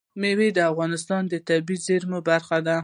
مېوې د افغانستان د طبیعي زیرمو برخه ده.